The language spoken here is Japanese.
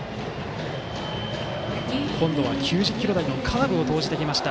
今度は９０キロ台のカーブを投じてきました。